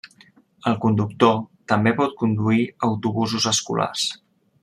El conductor també pot conduir autobusos escolars.